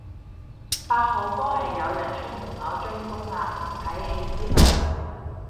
八號波係有人出門口追風啊睇戲之類